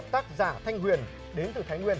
tác giả thanh huyền đến từ thái nguyên